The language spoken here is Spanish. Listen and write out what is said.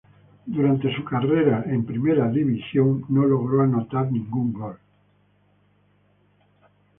Durante su carrera no logró anotar ningún gol en Primera división.